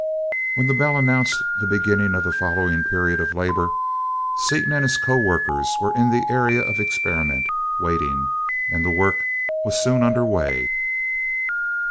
When the bell announced the beginning of the following period of labor, Seaton and his co workers were in the Area of Experiment waiting, and the work was soon under way.